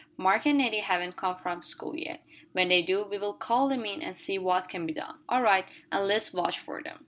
"Mark and Nettie haven't come by from school yet. When they do, we will call them in, and see what can be done." "All right, and let's watch for them."